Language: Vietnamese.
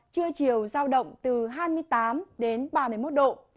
trưa chiều ra động từ hai mươi tám đến hai mươi chín độ